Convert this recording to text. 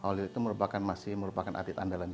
halil itu merupakan masih merupakan atlet andalan kita